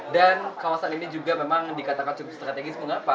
dan kawasan ini juga memang dikatakan cukup strategis mengapa